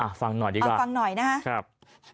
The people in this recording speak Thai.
ฟังหน่อยดีกว่าฟังหน่อยนะครับ